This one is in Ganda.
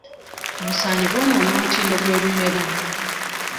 Obusaanyi bwonoona omutindo gw'ebimera.